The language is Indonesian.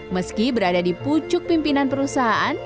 meski berada di pucuk pimpinan perusahaan